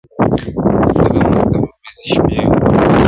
څه د مستیو ورځي شپې ووینو!